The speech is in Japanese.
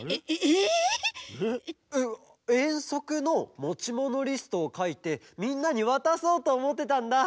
えっえんそくのもちものリストをかいてみんなにわたそうとおもってたんだ。